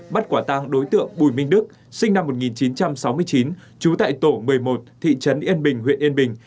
bắt quả tang đối tượng bùi minh đức sinh năm một nghìn chín trăm sáu mươi chín trú tại tổ một mươi một thị trấn yên bình huyện yên bình